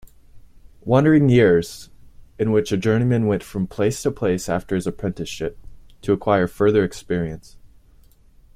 Wandering years, in which a journeyman went from place to place after his apprenticeship, to acquire further experience.